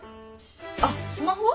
あっスマホは？